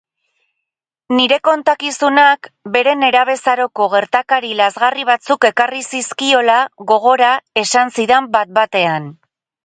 Nire kontakizunak bere nerabezaroko gertakari lazgarri batzuk ekarri zizkiola gogora esan zidan bat-batean.